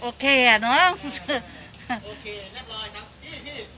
โปรดติดตามตอนต่อไป